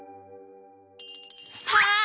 はい！